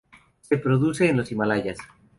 Se reproduce en los Himalayas.